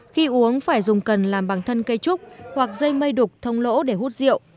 khi uống phải dùng cần làm bằng thân cây trúc hoặc dây mây đục thông lỗ để hút rượu